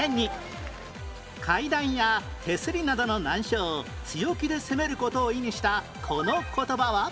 階段や手すりなどの難所を強気で攻める事を意味したこの言葉は？